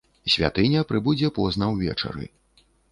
Святыня прыбудзе позна ўвечары.